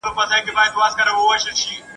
آیا جګړې د انګرېزانو ښکېلاک له منځه یووړ؟